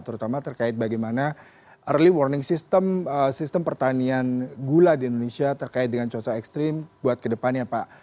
terutama terkait bagaimana early warning system sistem pertanian gula di indonesia terkait dengan cuaca ekstrim buat kedepannya pak